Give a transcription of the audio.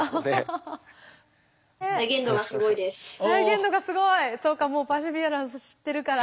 「再現度がすごい」そうかもうパーシビアランス知ってるから。